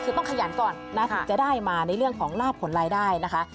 คือต้องขยันก่อนนะถึงจะได้มาในเรื่องของลาบผลรายได้นะคะ